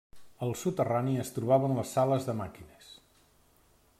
Al soterrani es trobaven les sales de màquines.